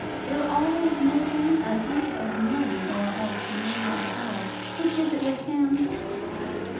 They're always making a heap of money, or else none at all. Which is it with him?"